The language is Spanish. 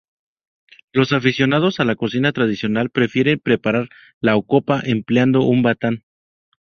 Los aficionados a la cocina tradicional prefieren preparar la ocopa empleando un batán.